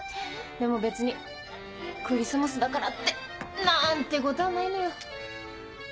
でも別にクリスマスだからって何てことはないのよ。